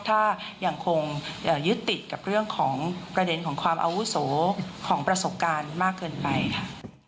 ถ้ายังคงยึดติดกับเรื่องของประเด็นของความอาวุโสของประสบการณ์มากเกินไปค่ะ